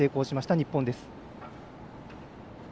日本です。